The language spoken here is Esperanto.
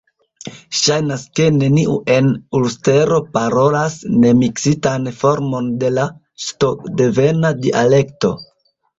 Ŝajnas, ke neniu en Ulstero parolas nemiksitan formon de la skotdevena dialekto.